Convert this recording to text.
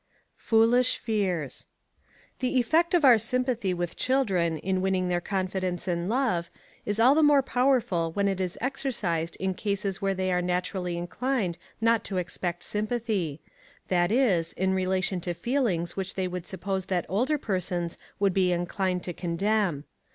Foolish Fears. The effect of our sympathy with children in winning their confidence and love, is all the more powerful when it is exercised in cases where they are naturally inclined not to expect sympathy that is, in relation to feelings which they would suppose that older persons would be inclined to condemn.